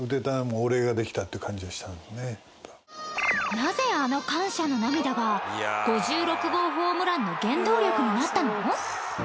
なぜ、あの感謝の涙が５６号ホームランの原動力になったの？